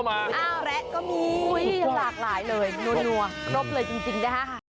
โปรดติดตามตอนต่อไป